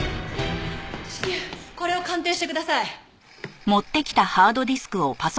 至急これを鑑定してください！